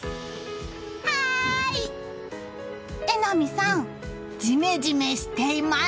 榎並さんジメジメしています！